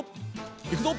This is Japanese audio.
いくぞ。